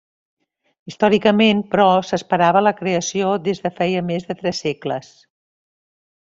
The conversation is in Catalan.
Històricament, però, s'esperava la creació des de feia més de tres segles.